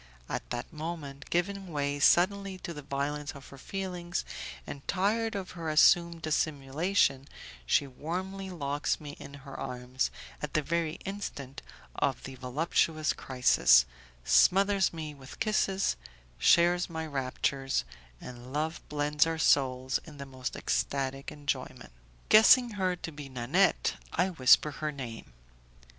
At that moment, giving way suddenly to the violence of her feelings, and tired of her assumed dissimulation, she warmly locks me in her arms at the very instant of the voluptuous crisis, smothers me with kisses, shares my raptures, and love blends our souls in the most ecstatic enjoyment. Guessing her to be Nanette, I whisper her name.